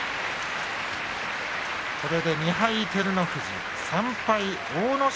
これで２敗、照ノ富士３敗、阿武咲